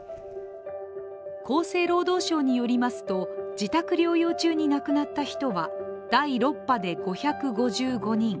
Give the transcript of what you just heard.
厚生労働省によりますと自宅療養中に亡くなった人は第６波で５５５人